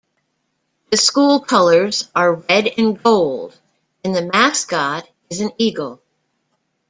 The school colours are red and gold, and the mascot is an eagle.